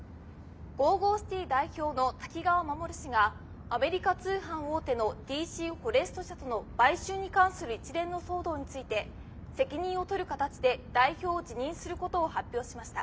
ＧＯＧＯＣＩＴＹ代表の滝川守氏がアメリカ通販大手のＤＣフォレスト社との買収に関する一連の騒動について責任を取る形で代表を辞任することを発表しました」。